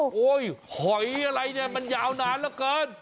โอ้โหหอยอะไรเนี่ยมันยาวนานเหลือเกิน